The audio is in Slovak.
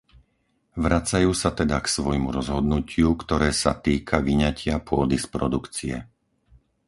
Vracajú sa teda k svojmu rozhodnutiu, ktoré sa týka vyňatia pôdy z produkcie.